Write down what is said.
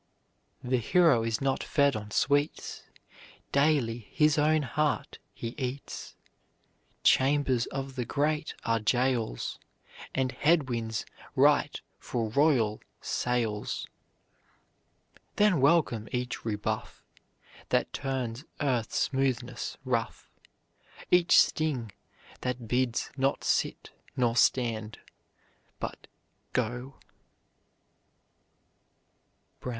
"The hero is not fed on sweets, Daily his own heart he eats; Chambers of the great are jails, And head winds right for royal sails." Then welcome each rebuff, That turns earth's smoothness rough, Each sting, that bids not sit nor stand but go.